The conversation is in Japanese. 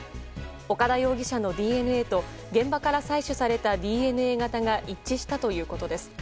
岡田容疑者のＤＮＡと現場から採取されたＤＮＡ型が一致したということです。